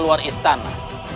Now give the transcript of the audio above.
tetapi sechs times